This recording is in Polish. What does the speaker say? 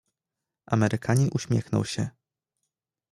"Amerykanin uśmiechnął się."